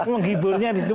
menghiburnya di situ